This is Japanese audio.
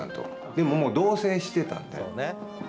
で、もう同せいしてたんで。